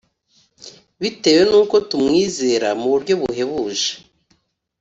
bitewe n’uko tumwizera, muburyo buhebuje